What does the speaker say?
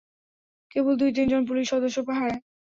কেবল দু-তিনজন পুলিশ সদস্য পাহারায়।